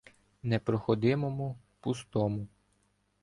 Непроходимому, пустому